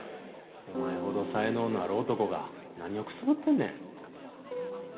お前ほど才能のある男が何をくすぶってんねん？